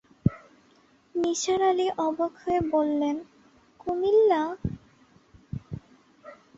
নিসার আলি অবাক হয়ে বললেন, কুমিল্লা!